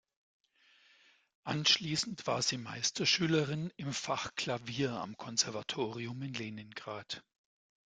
Anschließend war sie Meisterschülerin im Fach Klavier am Konservatorium in Leningrad.